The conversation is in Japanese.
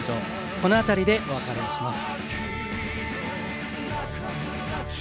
この辺りでお別れします。